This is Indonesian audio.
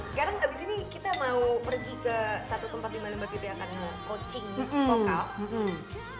sekarang abis ini kita mau pergi ke satu tempat di malimbabiti yang akan nge coaching vokal